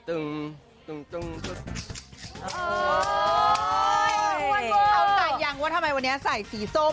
เขาตัดอย่างว่าทำไมวันนี้ใส่สีส้ม